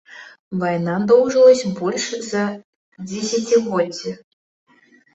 Вайна доўжылася больш за дзесяцігоддзе.